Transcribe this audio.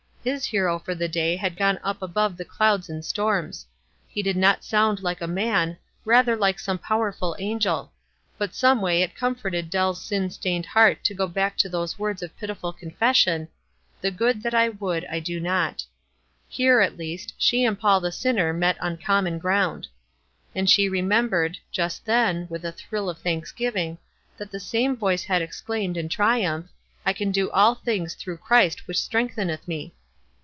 His hero for the clay had gone up above the clouds and storms. Pie did not sound like a man, rather like soiug powerful angel ; but someway it comforted Dell's sin stained heart to go back to those words of pitiful confession — "the good that I would, I WISE AND OTHERWISE. 183 do not." Here, at least, she and Paul the sin ner met on common ground. And she remem bered, just then, with a thrill of thanksgiving, that the same voice had exclaimed, in triumph, "I can do all things through Christ which strength eneth me."